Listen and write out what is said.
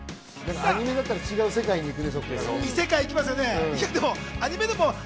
アニメだったら違う世界に行くね。